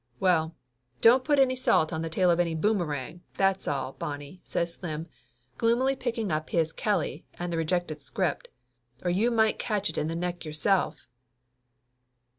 "Well, don't put any salt on the tail of any boom 14 Laughter Limited erang, that's all, Bonnie," says Slim, gloomily picking up his kelly and the rejected script, "or you might catch it in the neck yourself!"